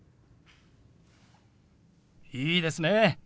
いいですね。